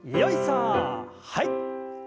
はい。